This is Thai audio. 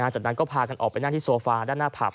จากนั้นก็พากันออกไปนั่งที่โซฟาด้านหน้าผับ